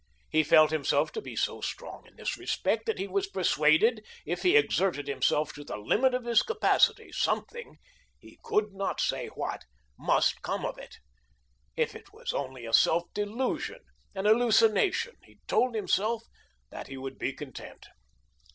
He felt himself to be so strong in this respect that he was persuaded if he exerted himself to the limit of his capacity, something he could not say what must come of it. If it was only a self delusion, an hallucination, he told himself that he would be content.